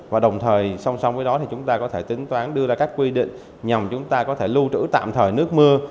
và đồng thời song song với đó thì chúng ta có thể tính toán đưa ra các quy định nhằm chúng ta có thể lưu trữ tạm thời nước mưa